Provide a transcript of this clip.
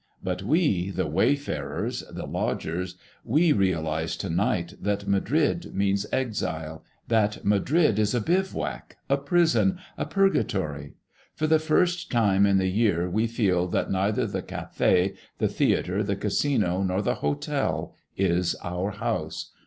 But we, the wayfarers, the lodgers, we realize to night that Madrid means exile, that Madrid is a bivouac, a prison, a purgatory. For the first time in the year we feel that neither the café, the theatre, the casino, nor the hotel is our house.